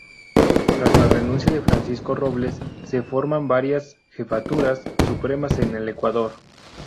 Tras la renuncia de Francisco Robles se formaron varias "Jefaturas Supremas" en el Ecuador.